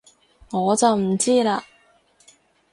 我就唔知喇